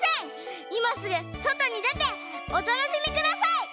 いますぐそとにでておたのしみください！